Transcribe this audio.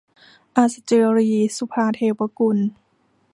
อัศเจรีย์ - สุภาว์ เทวกุล